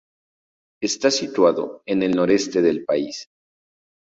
Está situado en el noreste del país.